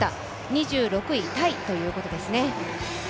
２６位タイということですね。